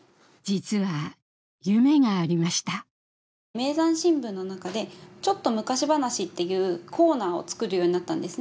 『名山新聞』の中で「ちょっと昔話」っていうコーナーを作るようになったんですね。